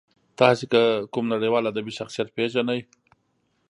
تاسې که کوم نړیوال ادبي شخصیت پېژنئ.